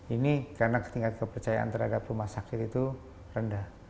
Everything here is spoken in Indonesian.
ini karena tingkat kepercayaan terhadap rumah sakit itu rendah